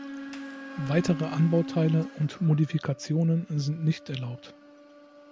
Weitere Anbauteile und Modifikationen sind nicht erlaubt.